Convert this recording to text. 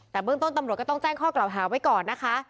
แต่เบื้องต้นตำรวจก็ต้องแจ้งข้อกล่าวหาไว้ก่อนนะคะ